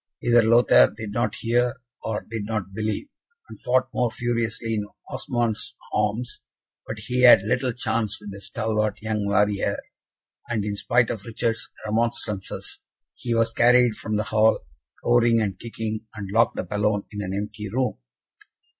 Either Lothaire did not hear, or did not believe, and fought more furiously in Osmond's arms, but he had little chance with the stalwart young warrior, and, in spite of Richard's remonstrances, he was carried from the hall, roaring and kicking, and locked up alone in an empty room.